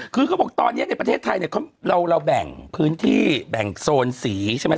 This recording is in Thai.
คือเขาบอกตอนนี้ในประเทศไทยเนี่ยเราแบ่งพื้นที่แบ่งโซนสีใช่ไหม